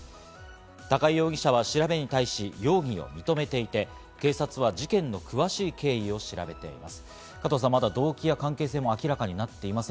高井容疑者は調べに対し、容疑を認めていて警察は事件の詳しい経緯を調べています。